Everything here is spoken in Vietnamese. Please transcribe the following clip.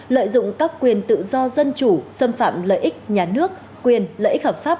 lợi dụng các quyền tự do dân chủ xâm phạm lợi ích nhà nước quyền lợi ích hợp pháp